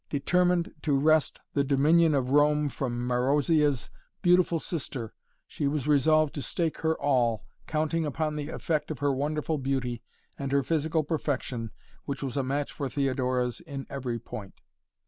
Determined to wrest the dominion of Rome from Marozia's beautiful sister, she was resolved to stake her all, counting upon the effect of her wonderful beauty and her physical perfection, which was a match for Theodora's in every point.